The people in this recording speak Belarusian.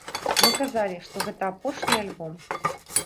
Мы казалі, што гэта апошні альбом!